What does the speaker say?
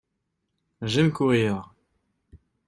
J'aime courrir.